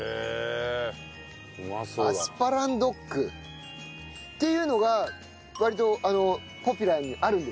アスパランドッグっていうのが割とポピュラーにあるんですか？